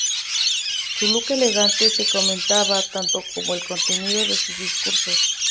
Su look elegante se comentaba tanto como el contenido de sus discursos.